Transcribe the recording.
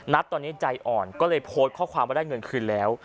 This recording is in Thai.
ตอนนี้ใจอ่อนก็เลยโพสต์ข้อความว่าได้เงินคืนแล้ว